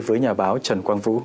với nhà báo trần quang vũ